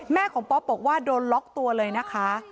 แม่ของป๊อปบอกว่าโดนล็อกตัวเลยนะคะ